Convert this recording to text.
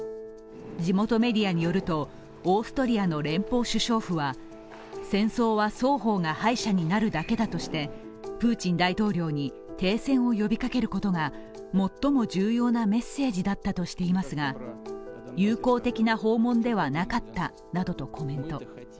地元メディアによると、オーストリアの連邦首相府は戦争は双方が敗者になるだけだとしてプーチン大統領に停戦を呼びかけることが最も重要なメッセージだったとしていますが友好的な訪問ではなかったなどとコメント。